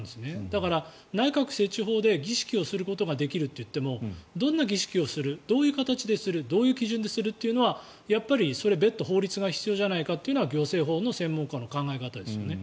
だから内閣設置法で儀式をすることができるといってもどんな儀式をするどういう形でするどういう基準でするっていうのは別途法律が必要じゃないかというのが行政法の専門家の考え方ですよね。